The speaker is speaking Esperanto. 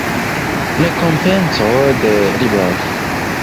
Rekompenco de Libroj.